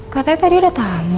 katanya tadi ada tamu